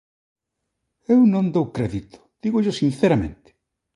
Eu non dou crédito, dígollo sinceramente.